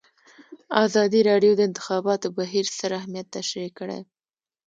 ازادي راډیو د د انتخاباتو بهیر ستر اهميت تشریح کړی.